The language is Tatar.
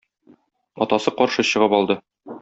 Атасы каршы чыгып алды.